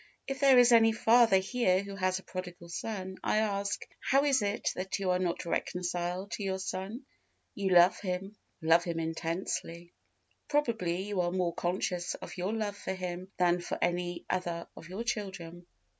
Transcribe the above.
If there is any father here who has a prodigal son, I ask, How is it that you are not reconciled to your son? You love him love him intensely. Probably you are more conscious of your love for him than for any other of your children.